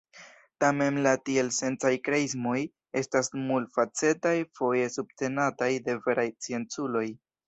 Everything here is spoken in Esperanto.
Tamen la tielsencaj kreismoj estas multfacetaj, foje subtenataj de veraj scienculoj.